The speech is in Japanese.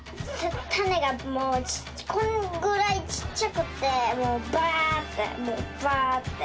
たねがもうこんぐらいちっちゃくってもうバッてもうバッてある。